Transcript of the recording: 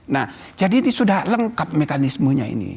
nah jadi ini sudah lengkap mekanismenya ini